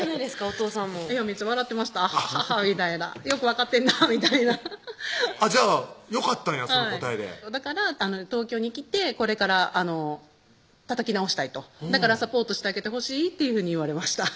お父さんもめっちゃ笑ってました「アハハハ」みたいな「よく分かってんな」みたいなじゃあよかったんやその答えで「だから東京に来てこれからたたき直したい」と「だからサポートしてあげてほしい」というふうに言われました